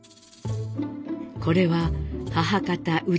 これは母方内